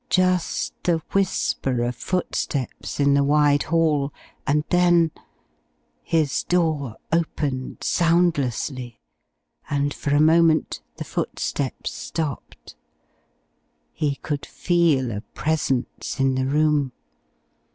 Just the whisper of footsteps in the wide hall, and then his door opened soundlessly and for a moment the footsteps stopped. He could feel a presence in the room.